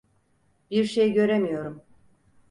Birşey göremiyorum.